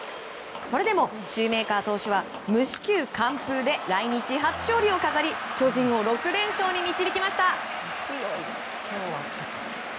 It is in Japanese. それでも、シューメーカー投手は無四球完封で来日初勝利を飾り巨人を６連勝に導きました。